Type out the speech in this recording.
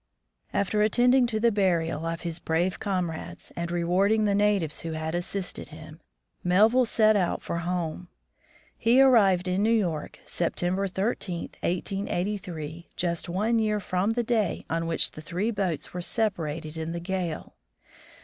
After attending to the burial of his brave comrades, and rewarding the natives who had assisted him, Melville set out for home. He arrived in New York, September 13, 1883, just one year from the day on which the three boats were separated in the gale.